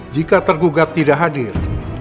jika tergugat tidak hadir